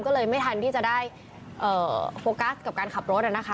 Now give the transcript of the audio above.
ก็เลยไม่ทันที่จะได้โฟกัสกับการขับรถนะคะ